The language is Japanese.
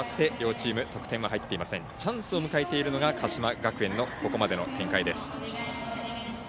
チャンスを迎えているのが鹿島学園のここまでの展開です。